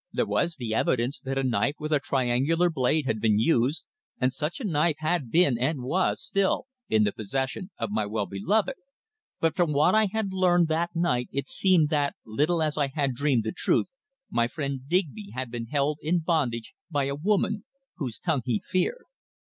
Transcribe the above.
There was the evidence that a knife with a triangular blade had been used, and such a knife had been, and was still, in the possession of my well beloved; but from what I had learned that night it seemed that, little as I had dreamed the truth, my friend Digby had been held in bondage by a woman, whose tongue he feared.